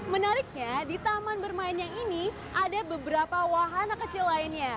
menariknya di taman bermain yang ini ada beberapa wahana kecil lainnya